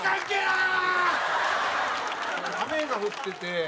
雨が降ってて。